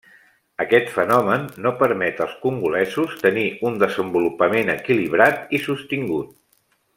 Aquest fenomen no permet als congolesos tenir un desenvolupament equilibrat i sostingut.